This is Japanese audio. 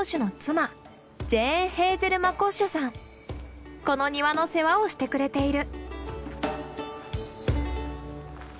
屋敷のこの庭の世話をしてくれている。